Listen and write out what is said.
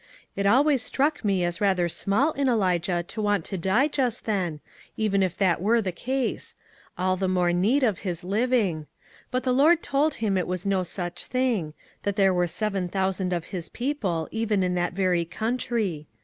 It always struck me as rather small in SHALL WE TRY f Q3 Elijah to want to die just then, even if that were the case — all the more need of his living; but the Lord told him it was no such thing ; that there were seven thousand of his people, even in that very country.